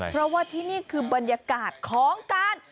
เพราะว่าที่นี่คือบรรยากาศของการ